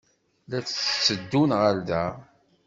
La d-tteddun ɣer da?